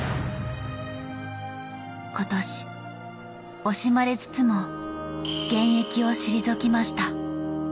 今年惜しまれつつも現役を退きました。